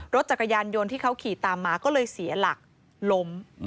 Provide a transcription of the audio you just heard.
รถจักรยานยนต์ที่เขาขี่ตามมาก็เลยเสียหลักล้ม